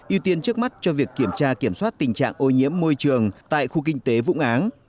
ưu tiên trước mắt cho việc kiểm tra kiểm soát tình trạng ô nhiễm môi trường tại khu kinh tế vũng áng